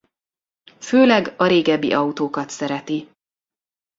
Főleg a régebbi autókat szereti.